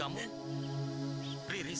kami berdua berdua lebih keras dari sebelum ini